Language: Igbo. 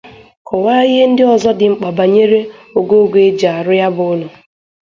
kọwaa ihe ndị ọzọ dị mkpa banyere ogoogo e ji arụ ya bụ ụlọ